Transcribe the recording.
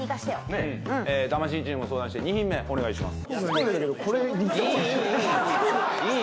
魂チームも相談して２品目お願いします。